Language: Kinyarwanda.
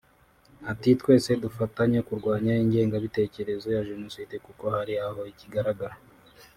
Ati “Twese dufatanye kurwanya ingengabitekerezo ya Jenoside kuko hari aho ikigaragara